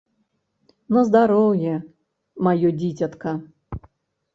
На здароўе, маё дзіцятка!